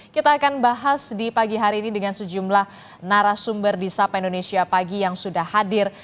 kita akan bahas di pagi hari ini dengan sejumlah narasumber di sapa indonesia pagi yang sudah hadir